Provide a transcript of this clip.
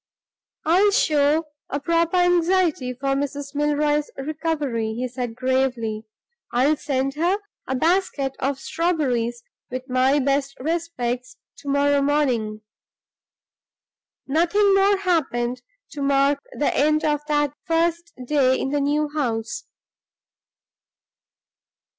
"I'll show a proper anxiety for Mrs. Milroy's recovery," he said, gravely. "I'll send her a basket of strawberries, with my best respects, to morrow morning." Nothing more happened to mark the end of that first day in the new house.